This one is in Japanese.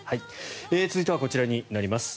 続いてはこちらになります。